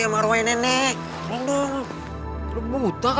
kamu ales banget liiat pengen nubah